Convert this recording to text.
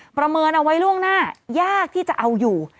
ประเมินเอาไว้ล่วงหน้ายากที่จะเอาอยู่